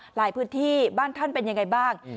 หลายพื้นที่บ้านท่านเป็นยังไงบ้าง